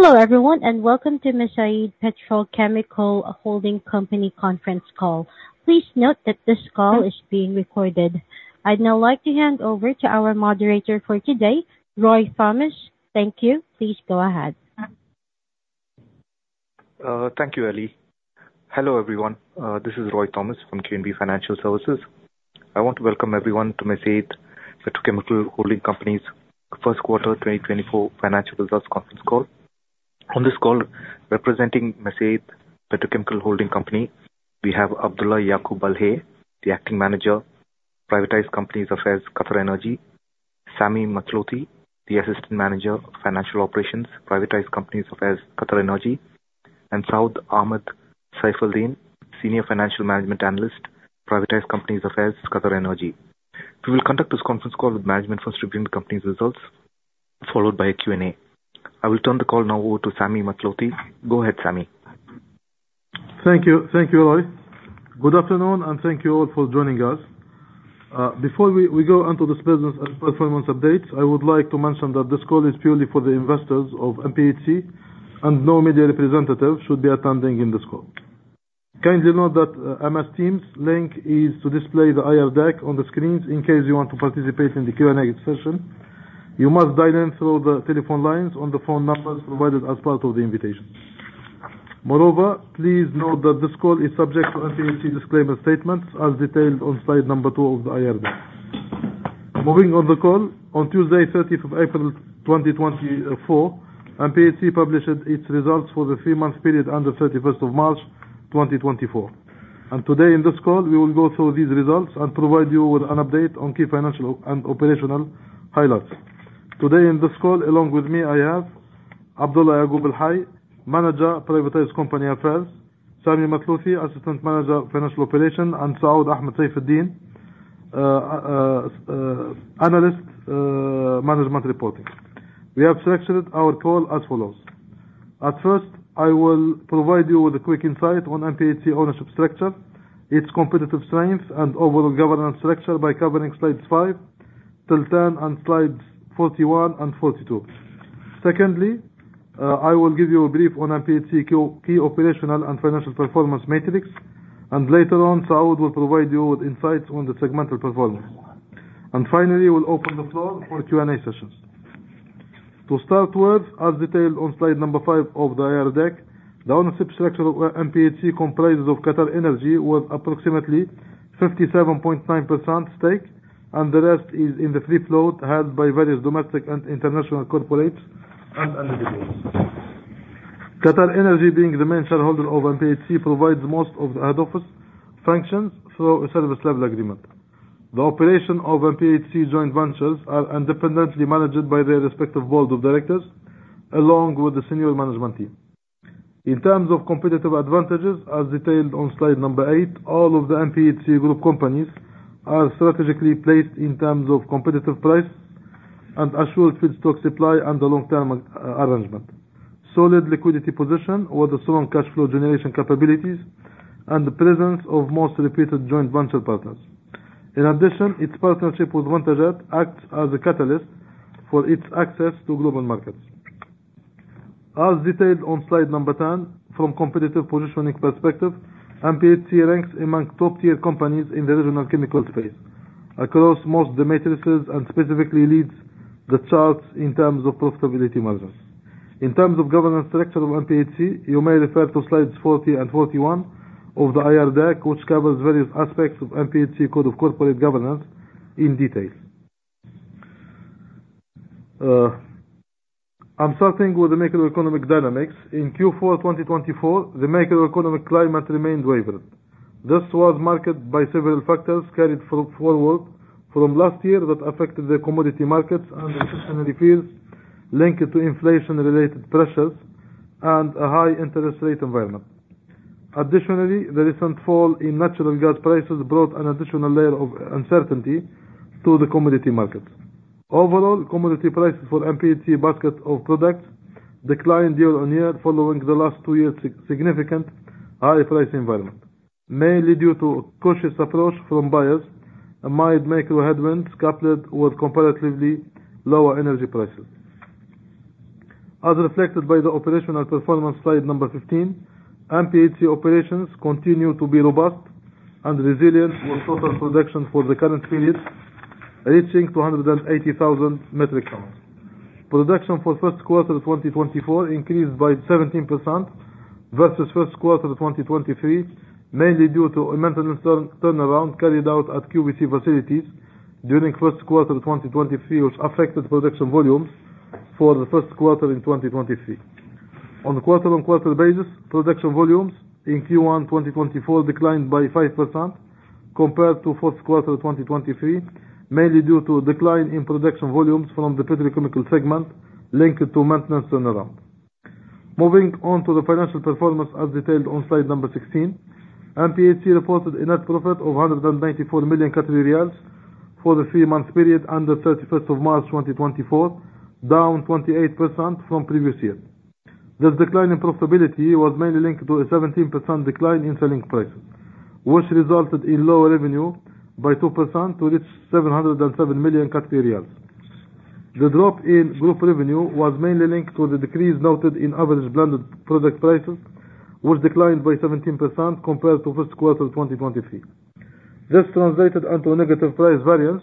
Hello everyone, welcome to Mesaieed Petrochemical Holding Company conference call. Please note that this call is being recorded. I'd now like to hand over to our moderator for today, Roy Thomas. Thank you. Please go ahead. Thank you, Ellie. Hello everyone. This is Roy Thomas from QNB Financial Services. I want to welcome everyone to Mesaieed Petrochemical Holding Company's first quarter 2024 financial results conference call. On this call, representing Mesaieed Petrochemical Holding Company, we have Abdulla Yaqoob Al-Hay, the Acting Manager, Privatized Companies Affairs, QatarEnergy, Sami Mathlouthi, the Assistant Manager of Financial Operations, Privatized Companies Affairs, QatarEnergy, and Saud Ahmed Saifaldheen, Senior Financial Management Analyst, Privatized Companies Affairs, QatarEnergy. We will conduct this conference call with management first reviewing the company's results, followed by a Q&A. I will turn the call now over to Sami Mathlouthi. Go ahead, Sami. Thank you, Roy. Good afternoon, thank you all for joining us. Before we go into this business and performance update, I would like to mention that this call is purely for the investors of MPHC, no media representatives should be attending in this call. Kindly note that MS Teams link is to display the IR deck on the screens in case you want to participate in the Q&A session. You must dial in through the telephone lines on the phone number provided as part of the invitation. Please note that this call is subject to MPHC disclaimer statements as detailed on slide number two of the IR deck. Moving on the call, on Tuesday, 30th of April 2024, MPHC published its results for the three-month period under 31st of March 2024. Today in this call, we will go through these results and provide you with an update on key financial and operational highlights. Today in this call, along with me, I have Abdulla Yaqoob Al-Hay, Manager, Privatized Companies Affairs, Sami Mathlouthi, Assistant Manager of Financial Operations, and Saud Ahmed Saifaldheen, Analyst, Management Reporting. We have structured our call as follows. At first, I will provide you with a quick insight on MPHC ownership structure, its competitive strengths, and overall governance structure by covering slides five till 10 and slides 41 and 42. Secondly, I will give you a brief on MPHC key operational and financial performance metrics, later on, Saud will provide you with insights on the segmental performance. Finally, we'll open the floor for Q&A sessions. To start with, as detailed on slide number five of the IR deck, the ownership structure of MPHC comprises of QatarEnergy worth approximately 57.9% stake, and the rest is in the free float held by various domestic and international corporates and individuals. QatarEnergy, being the main shareholder of MPHC, provides most of the head office functions through a service level agreement. The operation of MPHC joint ventures are independently managed by their respective board of directors, along with the senior management team. In terms of competitive advantages, as detailed on slide number eight, all of the MPHC group companies are strategically placed in terms of competitive price and assured feedstock supply and the long-term arrangement, solid liquidity position with a strong cash flow generation capabilities, and the presence of most reputed joint venture partners. In addition, its partnership with Vinythai acts as a catalyst for its access to global markets. As detailed on slide 10, from competitive positioning perspective, MPHC ranks among top-tier companies in the regional chemical space across most dimensions, and specifically leads the charts in terms of profitability margins. In terms of governance structure of MPHC, you may refer to slides 40 and 41 of the IR deck, which covers various aspects of MPHC code of corporate governance in detail. I'm starting with the macroeconomic dynamics. In Q4 2024, the macroeconomic climate remained wavered. This was marked by several factors carried forward from last year that affected the commodity markets and refinery fields linked to inflation-related pressures and a high interest rate environment. Additionally, the recent fall in natural gas prices brought an additional layer of uncertainty to the commodity markets. Overall, commodity prices for MPHC basket of products declined year-on-year following the last two years' significant high price environment, mainly due to cautious approach from buyers amid macro headwinds coupled with comparatively lower energy prices. As reflected by the operational performance, slide 15, MPHC operations continue to be robust and resilient with total production for the current period reaching 280,000 metric tons. Production for first quarter 2024 increased by 17% versus first quarter 2023, mainly due to a maintenance turnaround carried out at QVC facilities during first quarter 2023, which affected production volumes for the first quarter in 2023. On a quarter-on-quarter basis, production volumes in Q1 2024 declined by 5% compared to fourth quarter 2023, mainly due to decline in production volumes from the petrochemical segment linked to maintenance turnaround. Moving on to the financial performance as detailed on slide 16. MPHC reported a net profit of 194 million Qatari riyals for the three-month period under 31st of March 2024, down 28% from previous year. The decline in profitability was mainly linked to a 17% decline in selling prices, which resulted in lower revenue by 2% to reach 707 million. The drop in group revenue was mainly linked to the decrease noted in average blended product prices, which declined by 17% compared to first quarter 2023. This translated into a negative price variance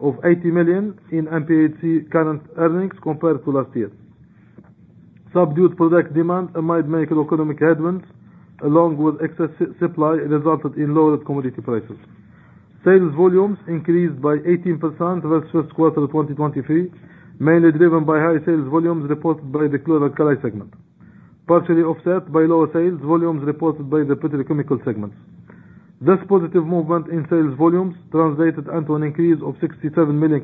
of 80 million in MPHC current earnings compared to last year. Subdued product demand amid macroeconomic headwinds, along with excess supply, resulted in lowered commodity prices. Sales volumes increased by 18% versus first quarter 2023, mainly driven by higher sales volumes reported by the Chloralkali segment, partially offset by lower sales volumes reported by the petrochemical segments. This positive movement in sales volumes translated into an increase of 67 million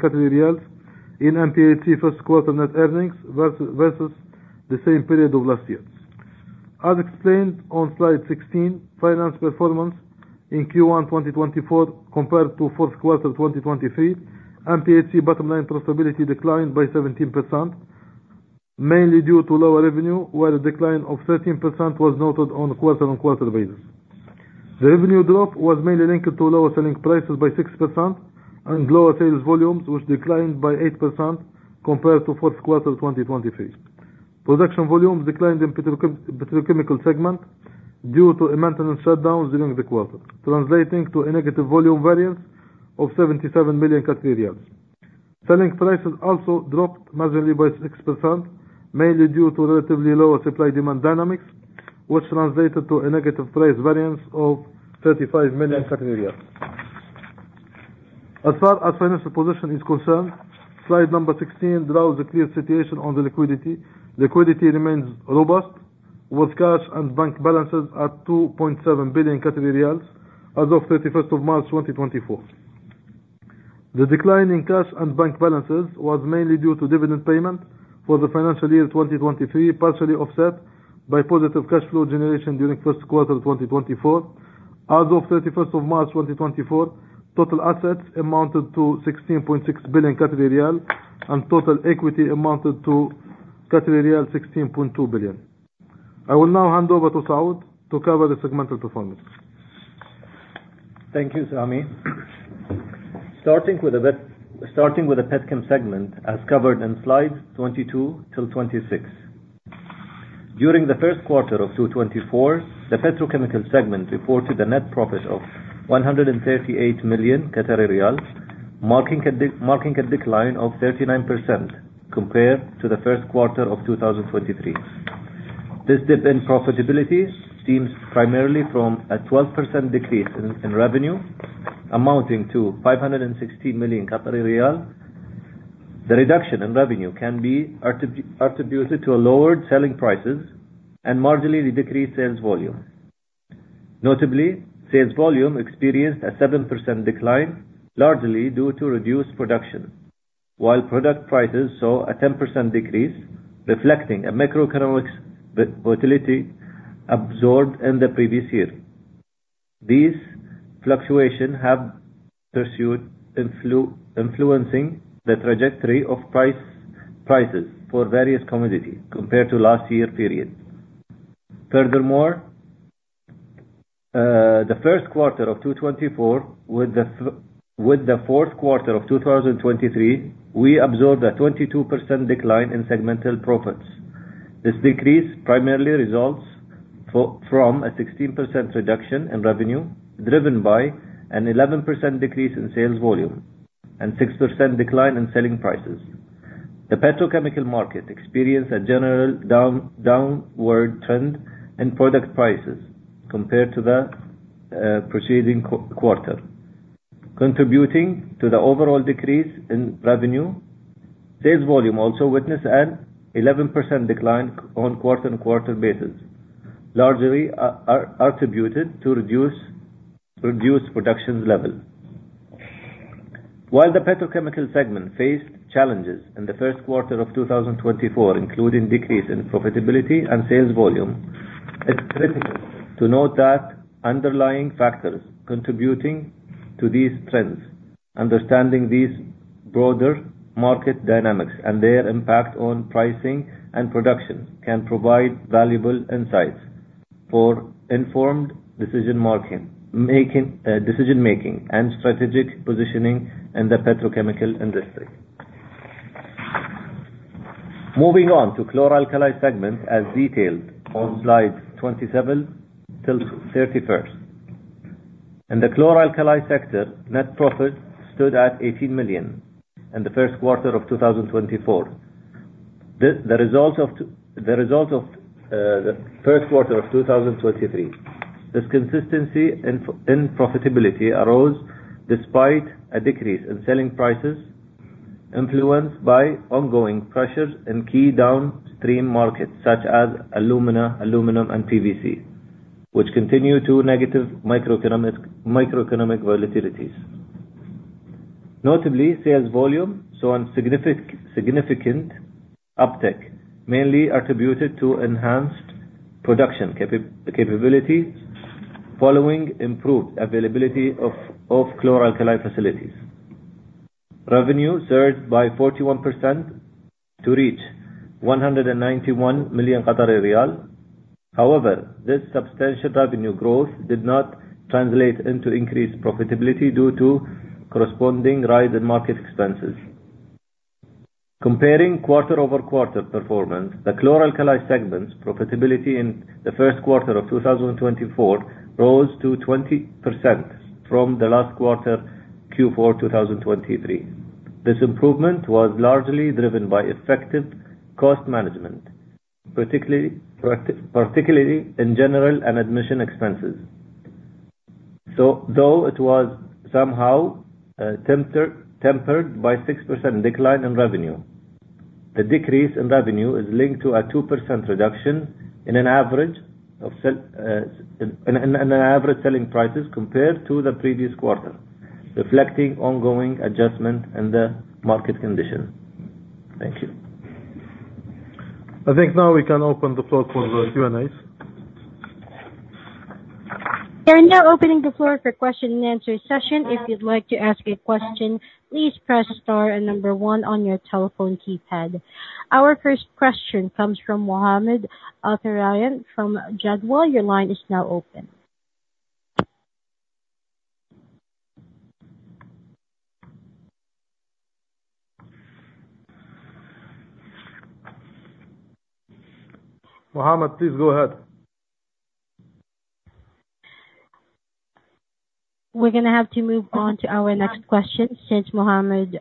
in MPHC first quarter net earnings versus the same period of last year. As explained on slide 16, financial performance in Q1 2024 compared to fourth quarter 2023, MPHC bottom line profitability declined by 17%, mainly due to lower revenue, where a decline of 13% was noted on a quarter-on-quarter basis. The revenue drop was mainly linked to lower selling prices by 6% and lower sales volumes, which declined by 8% compared to fourth quarter 2023. Production volumes declined in Petrochemical segment due to a maintenance shutdown during the quarter, translating to a negative volume variance of 77 million. Selling prices also dropped marginally by 6%, mainly due to relatively lower supply-demand dynamics, which translated to a negative price variance of 35 million. As far as financial position is concerned, slide number 16 draws a clear situation on the liquidity. Liquidity remains robust, with cash and bank balances at 2.7 billion Qatari riyals as of 31st of March 2024. The decline in cash and bank balances was mainly due to dividend payment for the financial year 2023, partially offset by positive cash flow generation during first quarter 2024. As of 31st of March 2024, total assets amounted to 16.6 billion, and total equity amounted to 16.2 billion. I will now hand over to Saud to cover the segmental performance. Thank you, Sami. Starting with the Petrochemical segment, as covered in slide 22 till 26. During the first quarter of 2024, the Petrochemical segment reported a net profit of 138 million Qatari riyals, marking a decline of 39% compared to the first quarter of 2023. This dip in profitability stems primarily from a 12% decrease in revenue amounting to 516 million Qatari riyal. The reduction in revenue can be attributed to lower selling prices and marginally decreased sales volume. Notably, sales volume experienced a 7% decline, largely due to reduced production. While product prices saw a 10% decrease, reflecting a macroeconomic volatility absorbed in the previous year. These fluctuations have pursued influencing the trajectory of prices for various commodities compared to last year period. Furthermore, the first quarter of 2024 with the fourth quarter of 2023, we observed a 22% decline in segmental profits. This decrease primarily results from a 16% reduction in revenue, driven by an 11% decrease in sales volume and 6% decline in selling prices. The petrochemical market experienced a general downward trend in product prices compared to the preceding quarter, contributing to the overall decrease in revenue. Sales volume also witnessed an 11% decline on quarter-on-quarter basis, largely attributed to reduced production levels. While the Petrochemical segment faced challenges in the first quarter of 2024, including decrease in profitability and sales volume, it's critical to note that underlying factors contributing to these trends, understanding these broader market dynamics and their impact on pricing and production, can provide valuable insights for informed decision-making and strategic positioning in the petrochemical industry. Moving on to Chloralkali segment as detailed on slides 27 till 31st. In the Chloralkali sector, net profit stood at 18 million in the first quarter of 2024. The result of the first quarter of 2023. This consistency in profitability arose despite a decrease in selling prices influenced by ongoing pressures in key downstream markets such as alumina, aluminum, and PVC, which continue to negative microeconomic volatilities. Notably, sales volume saw significant uptick, mainly attributed to enhanced production capability following improved availability of chloralkali facilities. Revenue surged by 41% to reach 191 million Qatari riyal. However, this substantial revenue growth did not translate into increased profitability due to corresponding rise in market expenses. Comparing quarter-over-quarter performance, the chloralkali segment's profitability in the first quarter of 2024 rose to 20% from the last quarter, Q4 2023. This improvement was largely driven by effective cost management, particularly in general and administration expenses. Though it was somehow tempered by 6% decline in revenue. The decrease in revenue is linked to a 2% reduction in an average selling prices compared to the previous quarter, reflecting ongoing adjustment in the market condition. Thank you. I think now we can open the floor for the Q&As. We are now opening the floor for question and answer session. If you'd like to ask a question, please press star and number 1 on your telephone keypad. Our first question comes from Mohammed Autorayan from Jadwa. Your line is now open. Mohammed, please go ahead. We're going to have to move on to our next question since Mohammed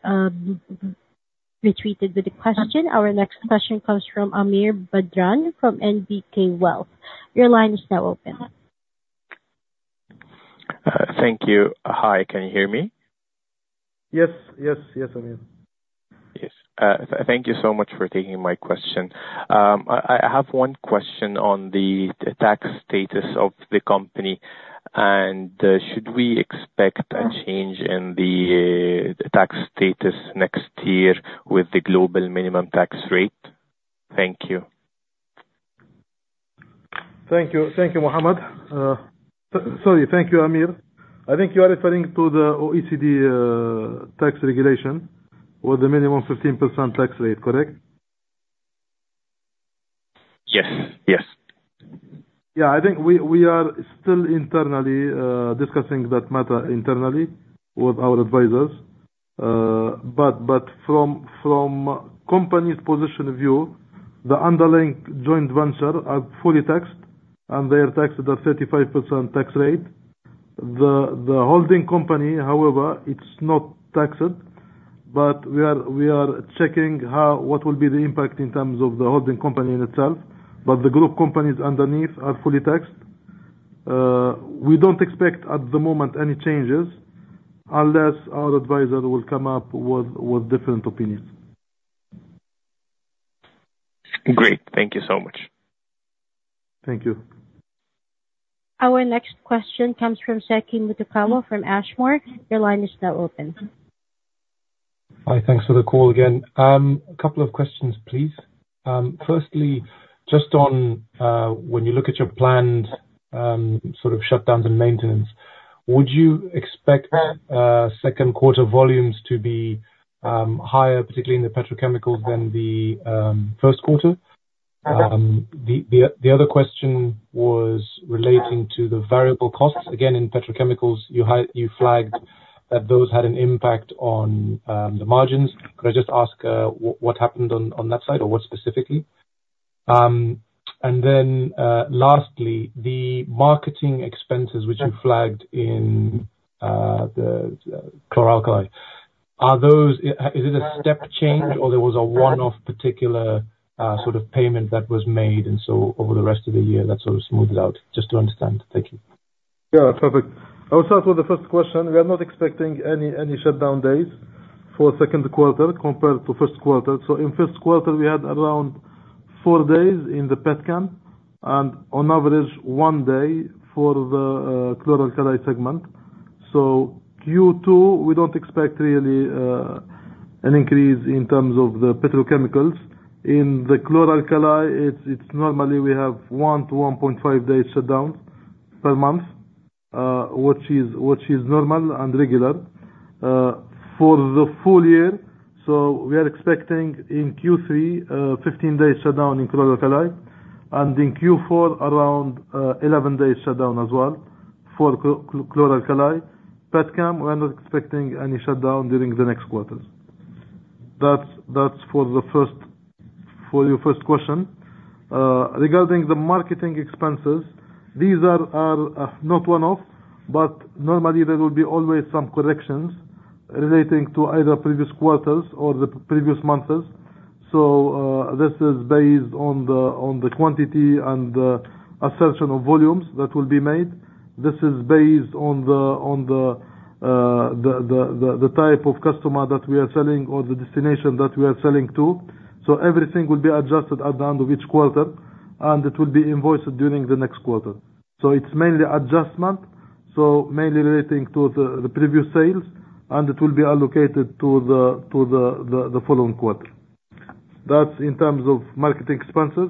retreated with the question. Our next question comes from Amir Badran from NBK Wealth. Your line is now open. Thank you. Hi, can you hear me? Yes, Amir. Yes. Thank you so much for taking my question. I have one question on the tax status of the company. Should we expect a change in the tax status next year with the global minimum tax rate? Thank you. Thank you, Mohammed. Sorry. Thank you, Amir. I think you are referring to the OECD tax regulation with the minimum 15% tax rate, correct? Yes. Yeah. I think we are still discussing that matter internally with our advisors. From company's position view, the underlying joint venture are fully taxed, and they are taxed at a 35% tax rate. The holding company, however, it's not taxed. We are checking what will be the impact in terms of the holding company in itself. The group companies underneath are fully taxed. We don't expect at the moment any changes unless our advisor will come up with different opinions. Great. Thank you so much. Thank you. Our next question comes from Shaki Mutukawa from Ashmore. Your line is now open. Hi. Thanks for the call again. A couple of questions, please. Firstly, just on when you look at your planned sort of shutdowns and maintenance, would you expect second quarter volumes to be higher, particularly in the petrochemicals than the first quarter? The other question was relating to the variable costs. Again, in petrochemicals, you flagged that those had an impact on the margins. Could I just ask what happened on that side or what specifically? Lastly, the marketing expenses which you flagged in the chloralkali. Is it a step change or there was a one-off particular sort of payment that was made and over the rest of the year, that sort of smoothed out? Just to understand. Thank you. Perfect. I'll start with the first question. We are not expecting any shutdown days for second quarter compared to first quarter. In first quarter, we had around four days in the petchem and on average one day for the chloralkali segment. Q2, we don't expect really an increase in terms of the petrochemicals. In the chloralkali, it's normally we have one to 1.5 days shutdown per month, which is normal and regular. For the full year, we are expecting in Q3, 15 days shutdown in chloralkali, and in Q4 around 11 days shutdown as well for chloralkali. Petchem, we're not expecting any shutdown during the next quarters. That's for your first question. Regarding the marketing expenses, these are not one-off, but normally there will be always some corrections relating to either previous quarters or the previous months. This is based on the quantity and the assertion of volumes that will be made. This is based on the type of customer that we are selling or the destination that we are selling to. Everything will be adjusted at the end of each quarter, and it will be invoiced during the next quarter. It's mainly adjustment, mainly relating to the previous sales, and it will be allocated to the following quarter. That's in terms of marketing expenses.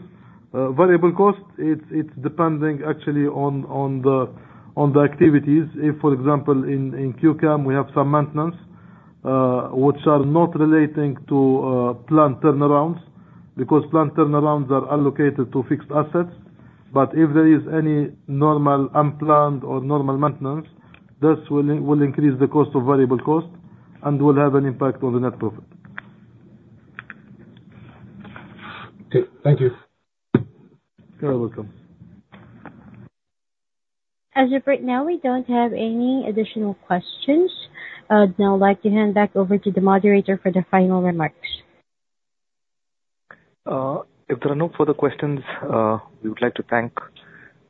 Variable cost, it's depending actually on the activities. If, for example, in Q-Chem, we have some maintenance, which are not relating to plant turnarounds, because plant turnarounds are allocated to fixed assets. If there is any normal unplanned or normal maintenance, this will increase the cost of variable cost and will have an impact on the net profit. Okay. Thank you. You're welcome. As of right now, we don't have any additional questions. I'd now like to hand back over to the moderator for the final remarks. If there are no further questions, we would like to thank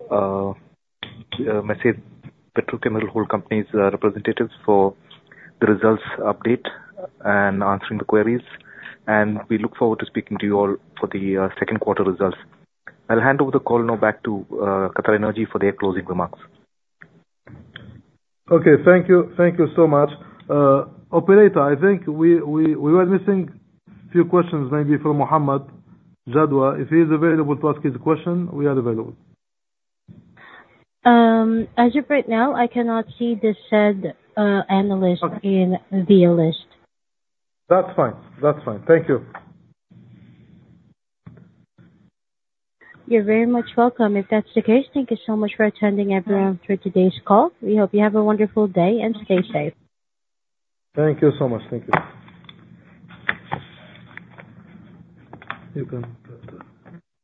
Mesaieed Petrochemical Holding Company's representatives for the results update and answering the queries, and we look forward to speaking to you all for the second quarter results. I'll hand over the call now back to QatarEnergy for their closing remarks. Okay. Thank you so much. Operator, I think we were missing few questions maybe from Mohammed Jadwa. If he's available to ask his question, we are available. As of right now, I cannot see the said analyst in the list. That's fine. Thank you. You're very much welcome. If that's the case, thank you so much for attending everyone for today's call. We hope you have a wonderful day, and stay safe. Thank you so much. Thank you. You can